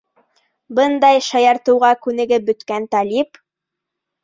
Бындай шаяртыуға күнегеп бөткән Талип: